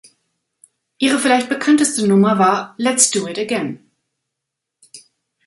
Ihre vielleicht bekannteste Nummer war "Let's Do It Again".